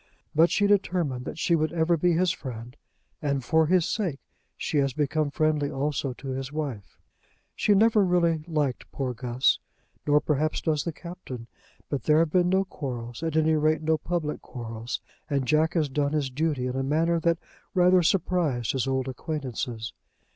But she determined that she would ever be his friend, and for his sake she has become friendly also to his wife. She never really liked poor Guss, nor perhaps does the Captain. But there have been no quarrels, at any rate, no public quarrels, and Jack has done his duty in a manner that rather surprised his old acquaintances.